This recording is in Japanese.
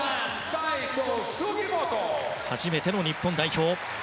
初めての日本代表。